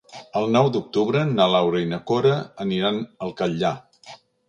El nou d'octubre na Laura i na Cora aniran al Catllar.